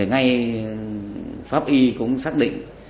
ngay pháp y cũng xác định